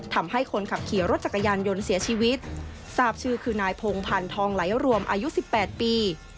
ทำให้คนขับขี่รถจักรยานยนต์เสียชีวิตทราบชื่อคือนายพงพันธ์ทองไหลรวมอายุสิบแปดปี